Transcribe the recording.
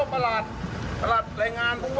แต่ว่าตัวเองไม่พอแล้ว